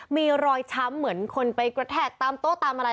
มีรอยช้ำเหมือนคนไปกระแทกตามโต๊ะตามอะไร